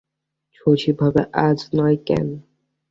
শশী ভাবে, আজ নয় কেন?